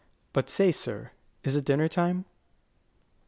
But say, sir, is it dinner time?